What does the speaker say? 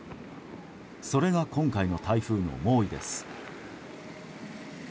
それが今回の台風の猛威です。